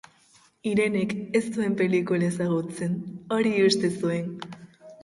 Irenek ez zuen pelikula ezagutzen, hori uste zuen.